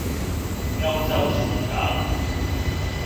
歐洲時間？